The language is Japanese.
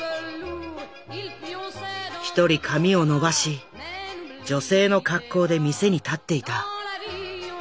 １人髪を伸ばし女性の格好で店に立っていた。